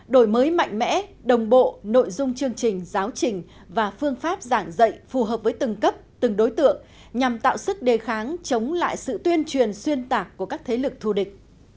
đổi mới mạnh mẽ đồng bộ nội dung chương trình giáo trình và phương pháp giảng dạy phù hợp với từng cấp từng đối tượng nhằm tạo sức đề kháng chống lại sự tuyên truyền xuyên tạc của các thế lực thù địch